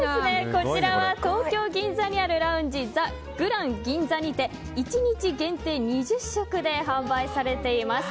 こちらは東京・銀座にあるラウンジ、ザ・グラン銀座にて１日限定２０食で販売されています。